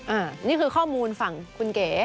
อันนี้คือข้อมูลฝั่งคุณเก๋